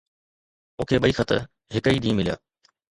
مون کي ٻئي خط هڪ ئي ڏينهن مليا